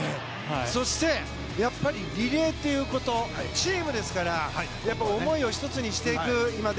そしてリレーということはチームですから思いを１つにしていく。